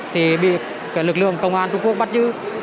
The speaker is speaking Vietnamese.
thì bị lực lượng công an trung quốc bắt giữ